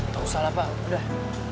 gak usah lah pak udah